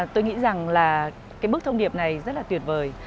tôi nghĩ rằng là cái bức thông điệp này rất là tuyệt vời